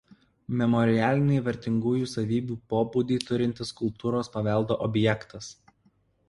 Memorialinį vertingųjų savybių pobūdį turintis kultūros paveldo objektas.